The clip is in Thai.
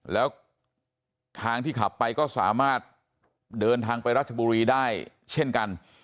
แล้วทางที่ขับไปก็สามารถเดินทางไปรัชบุรีได้เช่นกัน